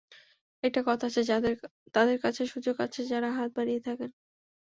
একটা কথা আছে, তাঁদের কাছে সুযোগ আছে যাঁরা হাত বাড়িয়ে থাকেন।